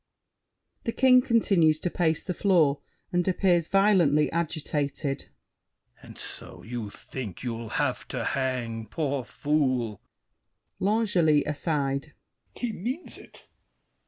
[The King continues to pace the floor and appears violently agitated. THE KING. And so, you think you'll have to hang, poor fool! L'ANGELY (aside). He means it!